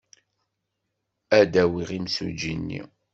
Ad d-awiɣ imsujji-nni.